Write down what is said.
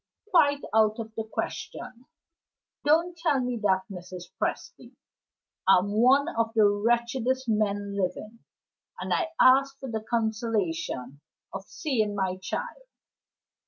"Quite out of the question." "Don't tell me that, Mrs. Presty! I'm one of the wretchedest men living, and I ask for the consolation of seeing my child.